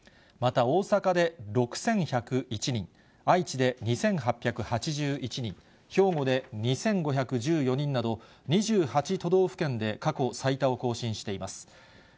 また大阪で６１０１人、愛知で２８８１人、兵庫で２５１４人など、２８都道府県で過去最多を更新しています。